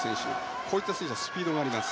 こういった選手はスピードがあります。